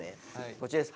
こちらです。